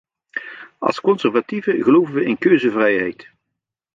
Als conservatieven geloven we in keuzevrijheid.